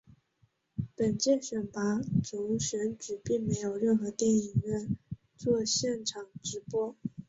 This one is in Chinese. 本届选拔总选举并没有任何电影院作现场直播。